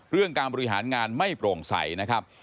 เรื่องการบริหารงานไม่โปร่งใสนะครับ